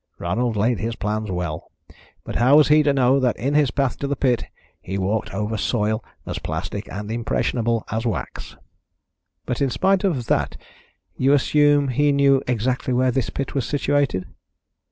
Ronald laid his plans well, but how was he to know that in his path to the pit he walked over soil as plastic and impressionable as wax?" "But in spite of that you assume he knew exactly where this pit was situated?"